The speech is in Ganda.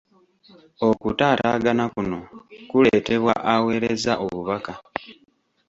Okutaataagana kuno kuleetebwa aweereza obubaka.